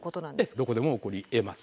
どこでも起こりえます。